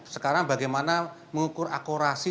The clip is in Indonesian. sekarang bagaimana mengukur akurasi